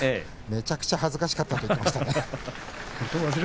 めちゃくちゃ恥ずかしかったと言っていました。